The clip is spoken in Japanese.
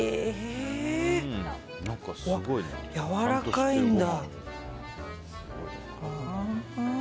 やわらかいんだ。